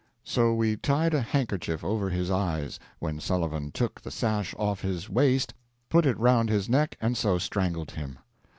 So we tied a handkerchief over his eyes, when Sullivan took the sash off his waist, put it round his neck, and so strangled him.